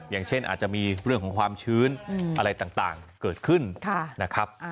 อย่างเช่นอาจจะมีเรื่องของความชื้นอะไรต่างเกิดขึ้นนะครับ